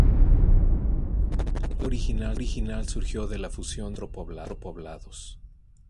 La Gai original surgió de la fusión de cuatro poblados.